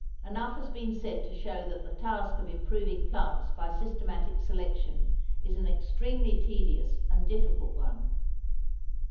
Enough has been said to show that the task of improving plants by systematic selection is an extremely tedious and difficult one.